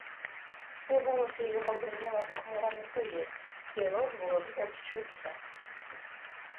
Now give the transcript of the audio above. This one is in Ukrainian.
У голосі його бриніла похмура неприязнь, і Рогволод одчув се.